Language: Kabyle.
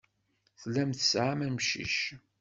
Tellam tesɛam amcic.